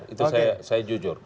itu saya jujur